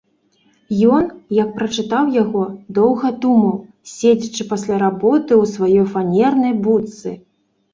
Ён, як прачытаў яго, доўга думаў, седзячы пасля работы ў сваёй фанернай будцы.